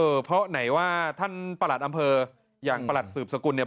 เพราะไหนว่าท่านประหลัดอำเภออย่างประหลัดสืบสกุลเนี่ย